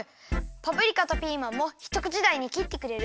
パプリカとピーマンもひとくちだいにきってくれる？